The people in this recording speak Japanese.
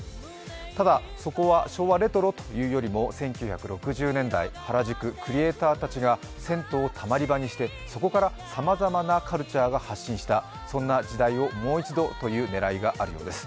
ただそこは昭和レトロというよりも１９６０年代、原宿、クリエーターたちが銭湯をたまり場にして、そこからさまざまなカルチャーが発信した、そんな時代をもう一度というねらいがあるようです。